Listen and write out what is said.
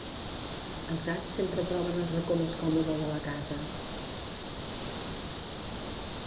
Els gats sempre troben el racó més còmode de la casa.